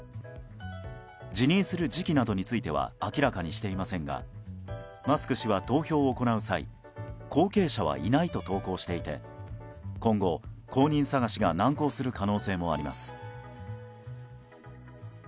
辞任する時期などについては明らかにしていませんがマスク氏は、投票を行う際後継者はいないと投稿していて今後、後任探しが難航する可能性もあります。